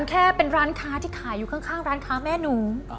แค่เป็นร้านค้าที่ขายอยู่ข้างร้านค้าแม่หนู